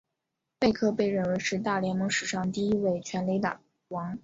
贝克被认为是大联盟史上第一位全垒打王。